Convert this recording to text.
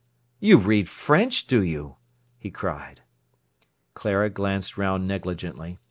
"You read French, do you?" he cried. Clara glanced round negligently.